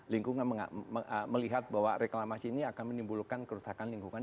lingkungan melihat bahwa reklamasi ini akan menimbulkan kerusakan lingkungan